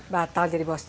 batal jadi bosnya